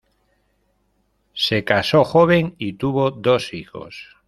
Se caso joven y tuvo dos hijos.